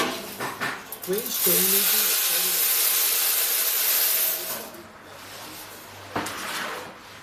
Trains terminating or starting at Wood Lane continued to use the loop platforms.